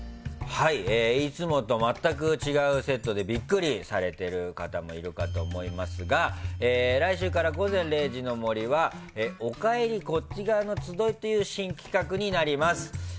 いつと全く違うセットでビックリされている方もいるかと思いますが来週から「午前０時の森」はおかえりこっち側の集いという新企画になります。